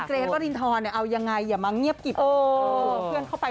คุณเกรทว่ารินทรเอายังไงอย่ามาเงียบกิบเพื่อนเข้าไป